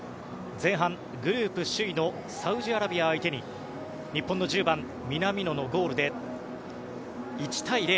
前半、グループ首位のサウジアラビア相手に日本の１０番、南野のゴールで１対０。